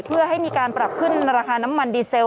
เพื่อให้มีการปรับขึ้นราคาน้ำมันดีเซล